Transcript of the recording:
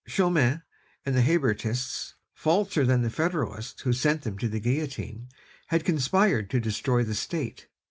Chaumette and the Hébertists, falser than the Federalists who sent them to the guillotine, had conspired to destroy the State!